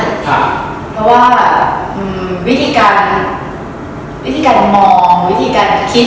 เพราะว่าวิธีการวิธีการมองวิธีการคิด